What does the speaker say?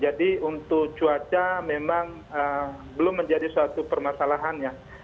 jadi untuk cuaca memang belum menjadi suatu permasalahannya